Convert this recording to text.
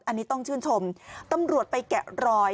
อันนี้ต้องชื่นชมตำรวจไปแกะรอย